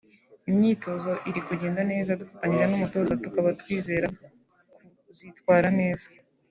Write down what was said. imyitozo iri kugenda neza dufatanyije n’umutoza tukaba twizera ku zitwara neza